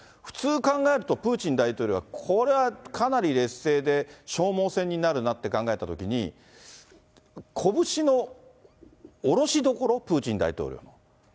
普通考えると、プーチン大統領、これはかなり劣勢で、消耗戦になるなって考えたときに、拳の下ろしどころ、プーチン大統領の。